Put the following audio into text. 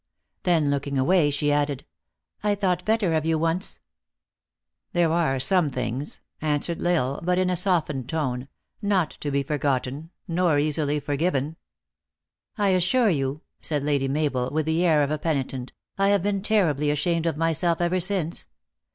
Then looking away, she added, "I thought better of you once." 414 THE ACTRESS IN HIGH LIFE. "There are some things," answered L Isle, but in a softened tone, "not to be forgotten, nor easily for given." " I assure you," said Lady Mabel, with the air of a penitent, " I have been terribly ashamed of myself ever since.